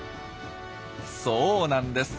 そうなんです。